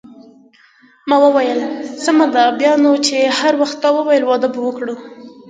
ما وویل: سمه ده، بیا نو چې هر وخت تا وویل واده به وکړو.